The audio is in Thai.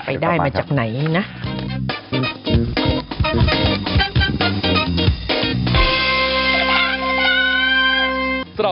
ไปได้มาจากไหนนะ